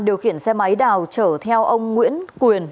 điều khiển xe máy đào chở theo ông nguyễn quyền